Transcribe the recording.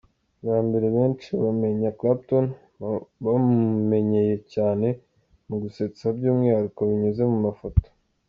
Bwa mbere benshi bamenya Clapton bamumenyeye cyane mu gusetsa by’umwihariko binyuze mu mafoto.